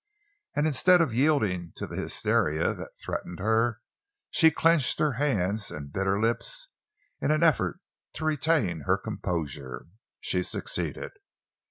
And instead of yielding to the hysteria that threatened her, she clenched her hands and bit her lips in an effort to retain her composure. She succeeded.